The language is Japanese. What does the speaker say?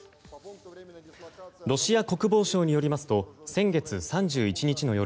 ロシア国防省によりますと先月３１日の夜